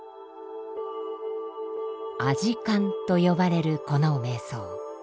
「阿字観」と呼ばれるこの瞑想。